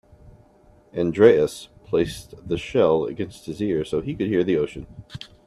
Andreas placed the shell against his ear so he could hear the ocean.